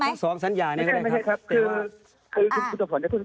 จับทุกสองสัญญาเนี้ยไม่ใช่ไม่ใช่ครับคืออ่า